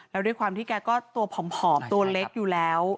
แล้วด้วยความที่แกก็ตัวผอมตัวเล็กอยู่แล้ว